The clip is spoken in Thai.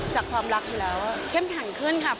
จากความรักที่แล้วเข้มขันขึ้นครับ